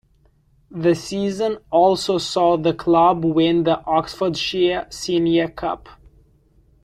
The season also saw the club win the Oxfordshire Senior Cup.